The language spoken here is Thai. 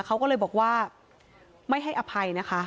เขาก็เลยบอกว่าไม่ให้อภัยนะคะ